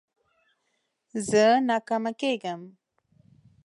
زه ناکامه کېږم.